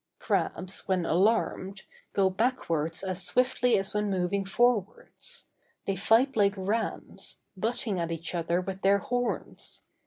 Crabs, when alarmed, go backwards as swiftly as when moving forwards. They fight like rams, butting at each other with their horns.